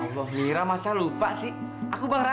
allah nira masa lupa sih aku baw judika